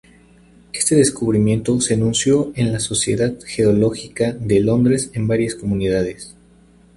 Este descubrimiento se anunció en la Sociedad Geológica de Londres en varias comunicaciones.